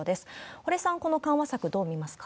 堀さん、この緩和策、どう見ますか？